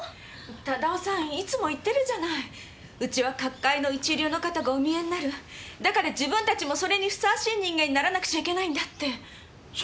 忠雄さんいつも言ってるじゃないうちは各界の一流の方がお見えになるだから自分たちもそれにふさわしい人間にならなくちゃいけないんだってそのとおりだよ